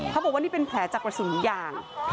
เขาบอกว่านี่เป็นแผลจากกระสุนยาง